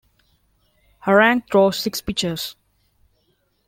Harang throws six pitches.